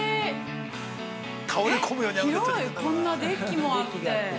こんなデッキもあって。